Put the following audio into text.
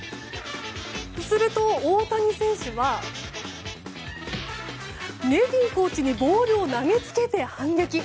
すると大谷選手はネビンコーチにボールを投げつけて反撃。